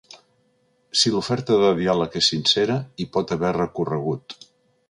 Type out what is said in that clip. Si l’oferta de diàleg és sincera, hi pot haver recorregut.